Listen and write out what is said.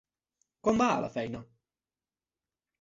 Com va a la feina?